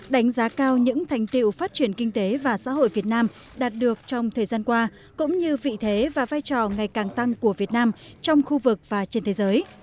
đánh giá cao những thành tiệu phát triển kinh tế và xã hội việt nam đạt được trong thời gian qua cũng như vị thế và vai trò ngày càng tăng của việt nam trong khu vực và trên thế giới